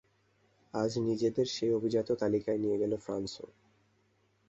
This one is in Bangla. আজ নিজেদের সেই অভিজাত তালিকায় নিয়ে গেল ফ্রান্সও।